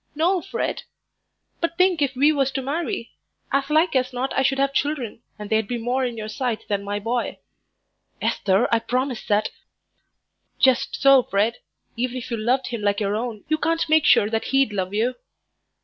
"No, Fred. But think if we was to marry. As like as not I should have children, and they'd be more in your sight than my boy." "Esther, I promise that " "Just so, Fred; even if you loved him like your own, you can't make sure that he'd love you."